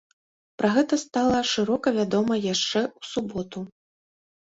Пра гэта стала шырока вядома яшчэ ў суботу.